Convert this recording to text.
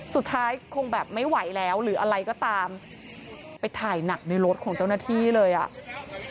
สุดท้ายคงแบบไม่ไหวแล้วหรืออะไรก็ตามไปถ่ายหนักในรถของเจ้าหน้าที่เลยอ่ะ